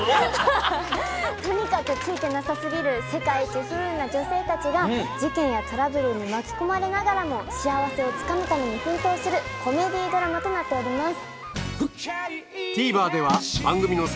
とにかくツイてなさ過ぎる世界一不運な女性たちが事件やトラブルに巻き込まれながらも幸せをつかむために奮闘するコメディードラマとなっております。